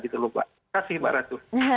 terima kasih pak ratu